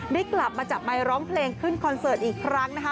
ได้กลับมาจับไมค์ร้องเพลงขึ้นคอนเสิร์ตอีกครั้งนะคะ